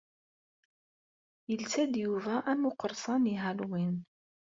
Yelsa-d Yuba am uqeṛṣan i Halloween.